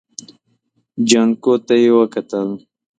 جانکو ته يې وکتل.